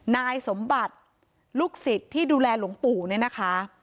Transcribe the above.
นายสมบัติลูกศิษย์ที่ดูแลหลวงปู่เนี่ยนะคะ